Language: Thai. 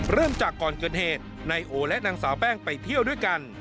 เริ่มจากก่อนเกิดเหตุนายโอและนางสาวแป้งไปเที่ยวด้วยกัน